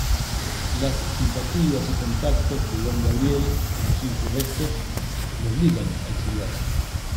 Las simpatías y contactos de Don Gabriel con los insurrectos lo obligan a exiliarse.